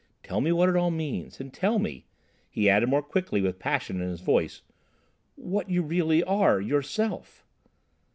Tell me what it all means? And, tell me," he added more quickly with passion in his voice, "what you really are—yourself?"